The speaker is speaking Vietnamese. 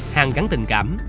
hàng gắn tình cảm